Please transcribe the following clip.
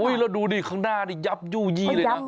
อุ๊ยแล้วดูดิข้างหน้ายับยู่ยี่เลยนะ